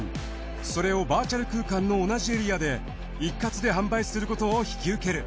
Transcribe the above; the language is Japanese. それをバーチャル空間の同じエリアで一括で販売することを引き受ける。